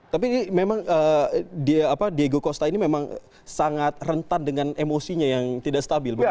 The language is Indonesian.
tapi ini memang diego costa ini memang sangat rentan dengan emosinya yang tidak stabil